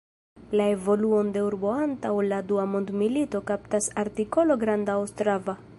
La evoluon de urbo antaŭ la dua mondmilito kaptas artikolo Granda Ostrava.